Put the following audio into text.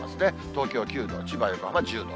東京９度、千葉、横浜１０度。